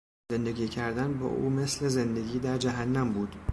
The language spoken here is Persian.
زندگی کردن با او مثل زندگی در جهنم بود.